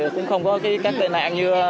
cũng không có các tên nạn như